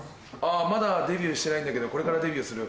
まだデビューしてないんだけどこれからデビューする。